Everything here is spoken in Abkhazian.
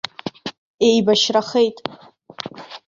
Еибашьрахеит.